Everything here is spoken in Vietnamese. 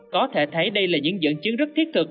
có thể thấy đây là những dẫn chứng rất thiết thực